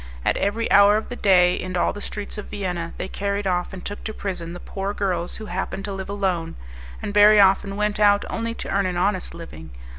At every hour of the day, in all the streets of Vienna, they carried off and took to prison the poor girls who happened to live alone, and very often went out only to earn an honest living.